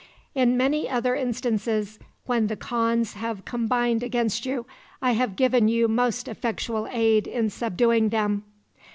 "In many other instances, when the khans have combined against you, I have given you most effectual aid in subduing them.